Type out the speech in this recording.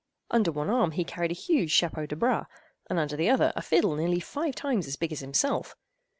Under one arm he carried a huge chapeau de bras, and under the other a fiddle nearly five times as big as himself.